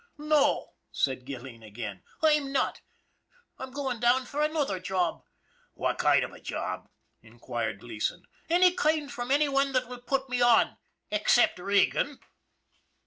"No," said Gilleen again; " I'm not. I'm goin' down for another job." "What kind of a job?" inquired Gleason. " Any kind from any one that will put me on ex cept Regan."